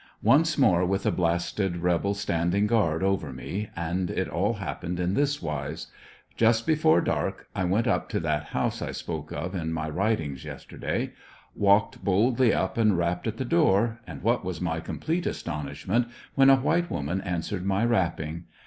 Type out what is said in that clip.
Once more with a blasted rebel stand iny^ guard over me, and it all happened in this wise: Just before dark I went up to that house I spoke of in my writings yesterday. Walked boldly up and rapped at the door; and what was my com plete astonishment when a white woman answered my rapping.